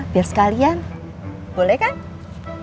biar sekalian boleh kan